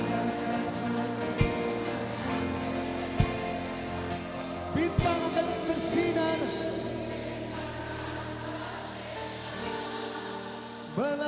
jenuh aku mendengar